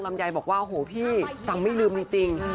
ลำยายบอกว่าโอ้โฮพี่จังไม่ลืมจริง